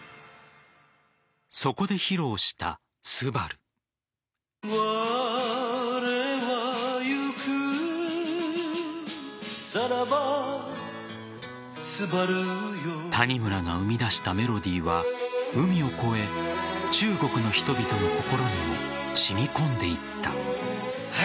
そこで披露した「昴」谷村が生み出したメロディーは海を越え、中国の人々の心にも染み込んでいった。